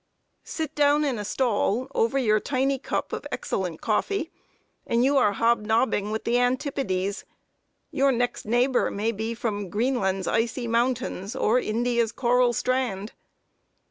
] Sit down in a stall, over your tiny cup of excellent coffee, and you are hobnobbing with the antipodes your next neighbor may be from Greenland's icy mountains, or India's coral strand.